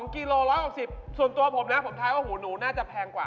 กิโล๑๖๐ส่วนตัวผมนะผมท้ายว่าหูหนูน่าจะแพงกว่า